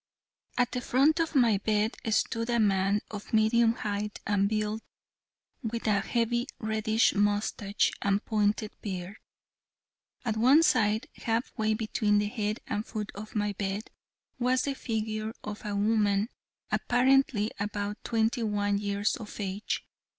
At the front of my bed stood a man of medium height and build, with a heavy reddish mustache and pointed beard. At one side, half way between the head and foot of my bed, was the figure of a woman, apparently about twenty one years of age.